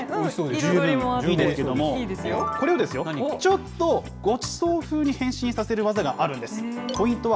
十分だと思いますけど、これをですよ、ちょっとごちそうふうに変身させる技があるんです。